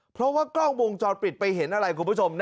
เพราะว่ากล้องวงจรปิดไปเห็นอะไรคุณผู้ชม